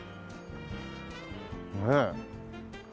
ねえ。